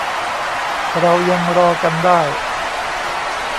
เรายังรอกันได้